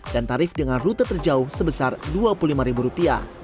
dan tarif dengan rute terjauh sebesar rp dua puluh lima